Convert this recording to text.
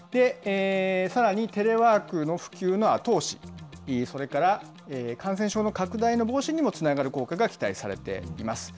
さらにテレワークの普及の後押し、それから感染症の拡大の防止にもつながる効果が期待されています。